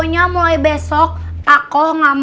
pokoknya mulai besok aku mau pulang dulu ya